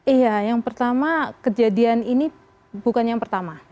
iya yang pertama kejadian ini bukan yang pertama